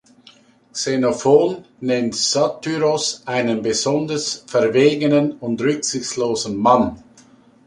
Xenophon nennt Satyros einen „besonders verwegenen und rücksichtslosen“ Mann.